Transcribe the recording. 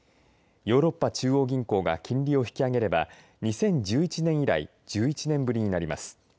ヨーロッパ中央銀行が金利を引き上げれば２０１１年以来１１年ぶりになります。